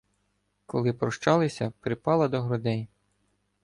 Коли прощалися, припала до грудей.